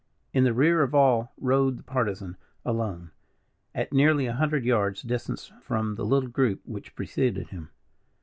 In the rear of all rode the Partisan, alone, at nearly a hundred yards distance from the little group which preceded him.